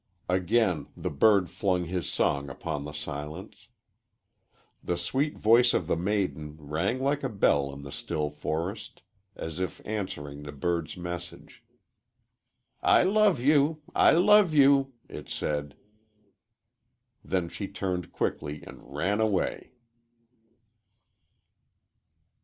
Again the bird flung his song upon the silence. The sweet voice of the maiden rang like a bell in the still forest, as if answering the bird's message. "I love you I love you," it said. Then she turned quickly and ran away.